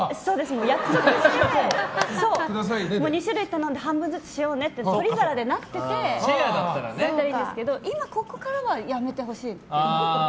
約束して、２種類頼んで半分ずつにしようねって取り皿でなっててだったらいいんですけど今ここからはやめてほしい。